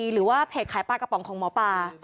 หรือว่าเพจขายปลากระป๋องของหมอปลา